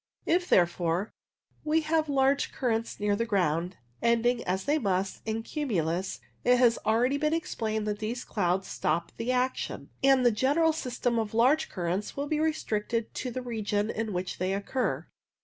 If, therefore, we have large currents near the ground, ending, as they must, in cumulus, it has already been explained that these clouds stop the action, and the general system of large currents will be restricted to the region in which they occur.